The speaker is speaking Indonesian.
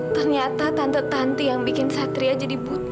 ternyata tante tanti yang bikin satria jadi buta